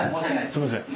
すいません。